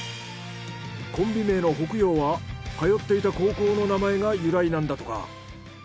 コンビ名の北陽は通っていた高校の名前が由来なんだとか。